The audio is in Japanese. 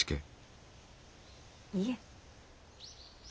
いえ。